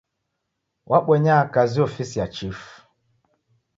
Wabonya kazi ofisi ya chifu.